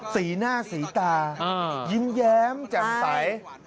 สีหน้าสีตายิ้มแย้มแจ่มใส